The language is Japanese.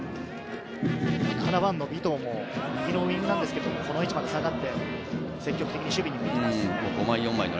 ７番の尾藤も右のウイングなんですけど、この位置まで下がって、積極的に守備に向かっています。